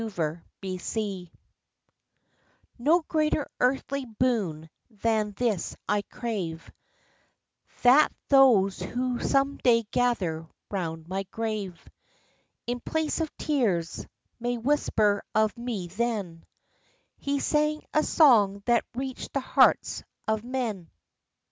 THE REWARD No greater earthly boon than this I crave, That those who some day gather 'round my grave, In place of tears, may whisper of me then, "He sang a song that reached the hearts of men."